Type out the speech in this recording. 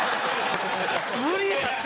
無理やって！